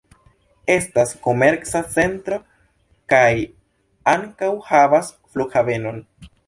Estas komerca centro kaj ankaŭ havas flughavenon.